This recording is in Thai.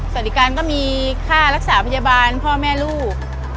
สวัสดีการก็มีค่ารักษาพยาบาลพ่อแม่ลูก